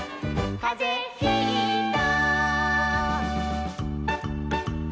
「かぜひいた」